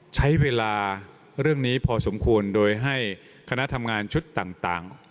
ใช้เวลาเรื่องนี้พอสมควรโดยให้คณะทำงานชุดต่าง